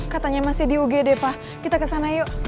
katanya masih di ugd pak kita kesana yuk